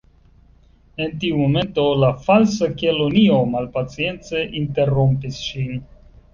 En tiu momento la Falsa Kelonio malpacience interrompis ŝin.